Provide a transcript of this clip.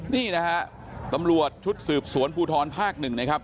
นี่นะฮะตำรวจชุดสืบสวนภูทรภาค๑นะครับ